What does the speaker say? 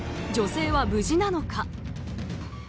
女性は無事なのか？